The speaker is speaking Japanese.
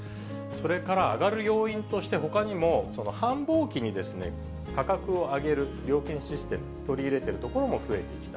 それから上がる要因として、ほかにも繁忙期に価格を上げる料金システムを取り入れてるところも増えてきた。